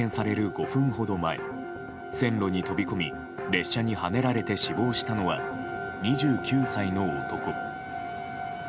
５分ほど前線路に飛び込み列車にはねられて死亡したのは２９歳の男。